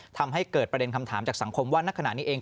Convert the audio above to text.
ทำให้เกิดประเด็นคำถามจากสังคมว่าณขณะนี้เอง